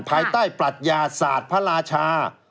ภายใต้ปรัชญาศาสตร์พระราชา